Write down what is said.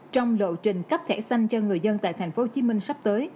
trong lộ trình cấp thẻ xanh cho người dân tại tp hcm sắp tới